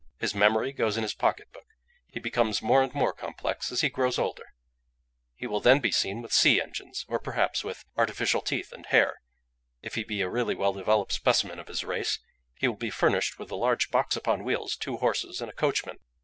His memory goes in his pocket book. He becomes more and more complex as he grows older; he will then be seen with see engines, or perhaps with artificial teeth and hair: if he be a really well developed specimen of his race, he will be furnished with a large box upon wheels, two horses, and a coachman."